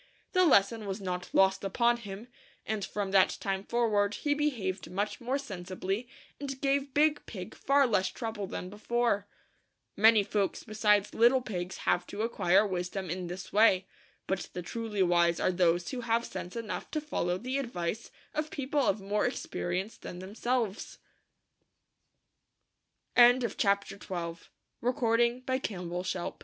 The lesson was not lost upon him, and from that time forward he be haved much more sensibly, and gave Big Pig far less trouble than before. Many folks besides little pigs have to acquire wisdom in this way; but the truly wise are those who have sense enough to follow the advice of people of more experienc